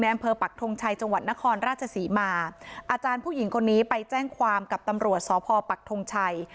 อำเภอปักทงชัยจังหวัดนครราชศรีมาอาจารย์ผู้หญิงคนนี้ไปแจ้งความกับตำรวจสพปักทงชัย